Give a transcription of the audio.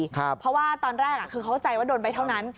เพราะว่าตอนแรกคือเข้าใจว่าโดนไปเท่านั้น